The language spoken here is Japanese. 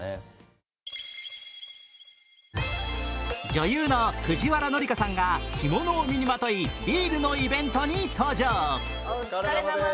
女優の藤原紀香さんが着物を身にまとい、ビールのイベントに登場。